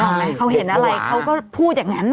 เขาเห็นอะไรเขาก็พูดอย่างนั้น